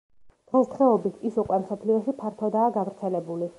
დღესდღეობით ის უკვე მსოფლიოში ფართოდაა გავრცელებული.